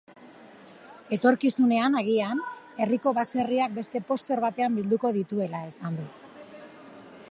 Etorkizunean, agian, herriko baserriak beste poster batean bilduko dituela esan du.